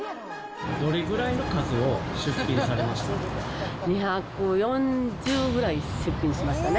どれぐらいの数を出品されました？